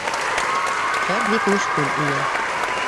Хәл бик мөшкөл ине.